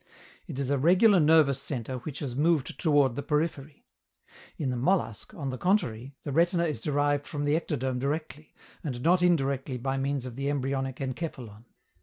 It is a regular nervous centre which has moved toward the periphery. In the mollusc, on the contrary, the retina is derived from the ectoderm directly, and not indirectly by means of the embryonic encephalon.